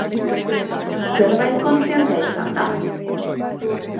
Zerbait kontzientea izan da?